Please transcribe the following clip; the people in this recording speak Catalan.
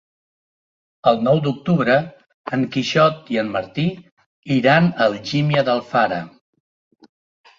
El nou d'octubre en Quixot i en Martí iran a Algímia d'Alfara.